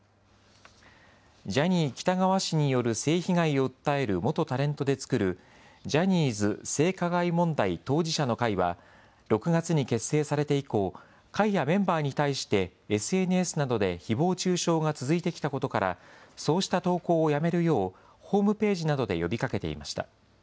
ジャニー喜多川氏による性被害を訴える元タレントで作るジャニーズ性加害問題当事者の会は、６月に結成されて以降、会やメンバーに対して、ＳＮＳなどでひぼう中傷が続いてきたことから、そうした投稿をやめるよう、ホームページなどで呼びかけていました。